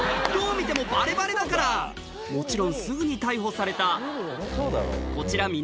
どう見てもバレバレだからもちろんすぐに逮捕されたこちら